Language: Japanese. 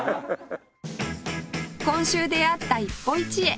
今週出会った一歩一会